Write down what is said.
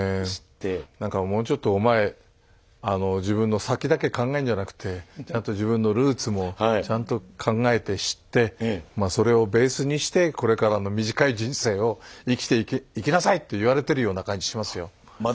なんかもうちょっとお前自分の先だけ考えるんじゃなくてちゃんと自分のルーツもちゃんと考えて知ってまあそれをベースにしてこれからの短い人生を生きていきなさいと言われてるような感じしますよ。